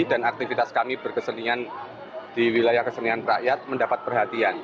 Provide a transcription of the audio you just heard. dan aktivitas kami berkesenian di wilayah kesenian rakyat mendapat perhatian